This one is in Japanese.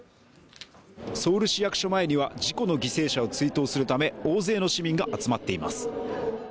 ソウル市役所前には事故の犠牲者を追悼するため大勢の市民が集まっています